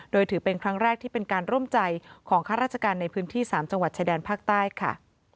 โดยถือเป็นครั้งแรกที่เป็นการร่วมใจของข้าราชการในพื้นที่๓จังหวัดชายแดนภาคใต้ค่ะ